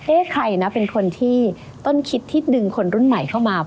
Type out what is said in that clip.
ใครนะเป็นคนที่ต้นคิดที่ดึงคนรุ่นใหม่เข้ามา